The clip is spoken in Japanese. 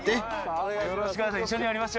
よろしくお願いします。